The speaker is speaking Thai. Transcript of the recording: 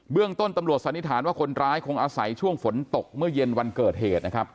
เรื่องต้นตำรวจสันนิษฐานว่าคนร้ายคงอาศัยช่วงฝนตกเมื่อเย็นวันเกิดเหตุนะครับ